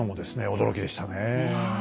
驚きでしたね。